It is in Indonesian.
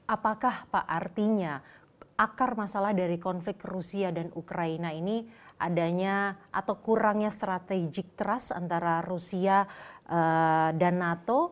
apakah pak artinya akar masalah dari konflik rusia dan ukraina ini adanya atau kurangnya strategic trust antara rusia dan nato